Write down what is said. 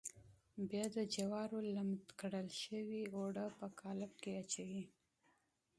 بیا د جوارو لمد کړل شوي اوړه په قالب کې اچوي.